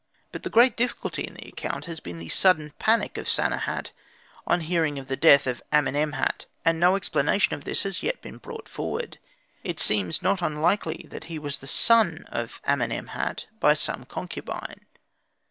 But the great difficulty in the account has been the sudden panic of Sanehat on hearing of the death of Amenemhat, and no explanation of this has yet been brought forward. It seems not unlikely that he was a son of Amenemhat by some concubine.